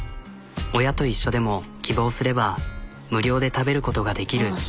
親と一緒でも希望すれば無料で食べることができる。